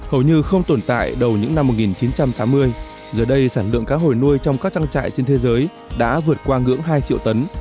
hầu như không tồn tại đầu những năm một nghìn chín trăm tám mươi giờ đây sản lượng cá hồi nuôi trong các trang trại trên thế giới đã vượt qua ngưỡng hai triệu tấn